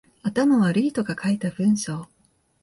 頭悪い人が書いた文章